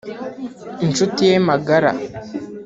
inshuti ye magara